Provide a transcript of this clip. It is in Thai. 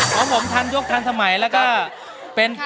ของผมทรัพย์ยกทันสมัยแล้วก็